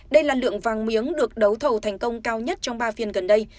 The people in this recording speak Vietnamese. đây là lượng vàng miếng được đấu thầu thành công cao nhất trong ba phiên gần đây